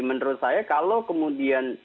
menurut saya kalau kemudian